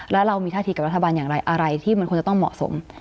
แล้วเรามีท่าทีกับรัฐบาลอย่างไรอะไรที่มันควรจะต้องเหมาะสม